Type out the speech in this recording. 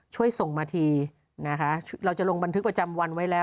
ช่วยส่งมาทีนะคะเราจะลงบันทึกประจำวันไว้แล้ว